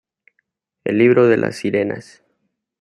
El libro de las sirenas".